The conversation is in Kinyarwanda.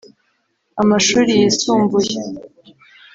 amashuri yisumbuye